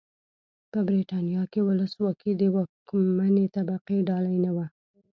په برېټانیا کې ولسواکي د واکمنې طبقې ډالۍ نه وه.